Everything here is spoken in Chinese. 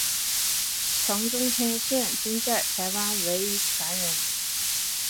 常中天现今在台湾唯一传人。